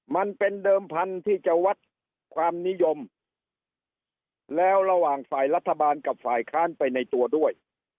มันเป็นเดิมพันธุ์ที่จะวัดความนิยมแล้วระหว่างฝ่ายรัฐบาลกับฝ่ายค้านไปในตัวด้วย